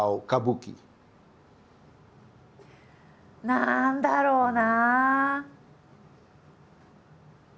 何だろうな。